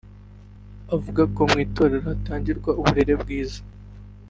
Avuga ko mu itorero hatangirwa uburere bwiza